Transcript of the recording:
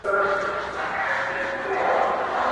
تږی خیال مي اوبه ومه ستا د سترګو په پیالو کي,